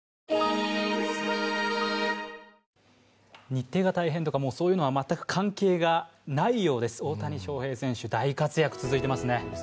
日程が大変とか、そういうのはもう全く関係がないようです、大谷翔平選手、大活躍続いていますね。